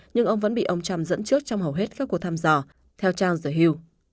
nhưng ông vẫn bị ông trump dẫn trước trong hầu hết các cuộc tham dò theo charles the hill